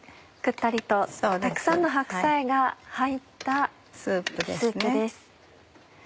くったりとたくさんの白菜が入ったスープです。